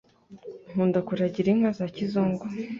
nkunda kuragira inka za kizungu